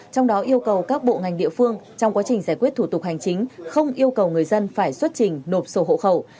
trong đó yêu cầu các bộ ngành địa phương trong quá trình giải quyết thủ tục hành chính không yêu cầu người dân phải xuất trình nộp sổ hộ khẩu